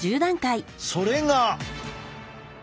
それが。